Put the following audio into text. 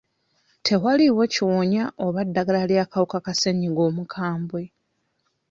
Tewaliwo kiwonya oba ddagala ly'akawuka ka ssenyiga omukambwe.